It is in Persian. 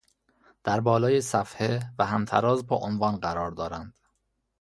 در بالای صفحه و همتراز با عنوان قرار دارند